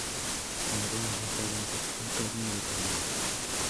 Algunos restaurantes usan carne de caballo.